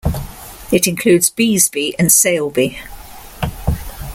It includes Beesby and Saleby.